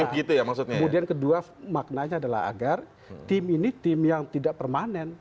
kemudian kedua maknanya adalah agar tim ini tim yang tidak permanen